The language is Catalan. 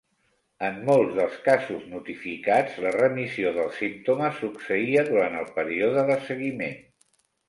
En molts dels casos notificats, la remissió dels símptomes succeïa durant el període de seguiment.